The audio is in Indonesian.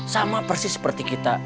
sama persis seperti kita